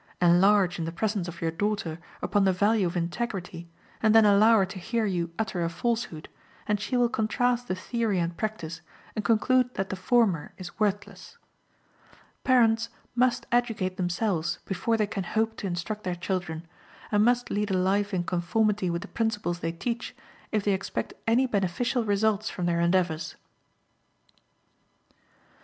Enlarge, in the presence of your daughter, upon the value of integrity, and then allow her to hear you utter a falsehood, and she will contrast the theory and practice, and conclude that the former is worthless. Parents must educate themselves before they can hope to instruct their children, and must lead a life in conformity with the principles they teach, if they expect any beneficial results from their endeavors.